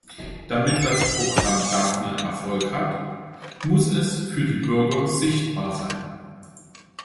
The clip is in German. Damit das Programm Daphne Erfolg hat, muss es für die Bürger sichtbar sein.